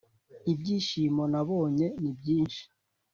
ibyishimo nabonye nibyinshi